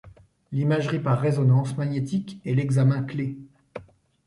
L'imagerie par résonance magnétique est l'examen clef.